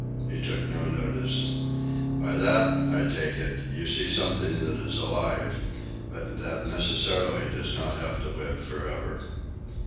He took no notice. "By that, I take it, you see something that is alive, but that necessarily does not have to live for ever."